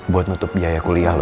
buat nutup biaya kuliah loh